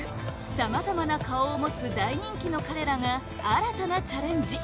さまざまな顔を持つ大人気の彼らが新たなチャレンジ！